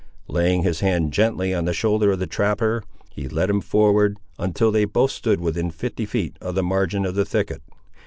Laying his hand gently on the shoulder of the trapper, he led him forward, until they both stood within fifty feet of the margin of the thicket.